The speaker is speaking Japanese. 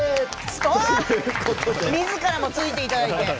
みずからも衝いていただいて。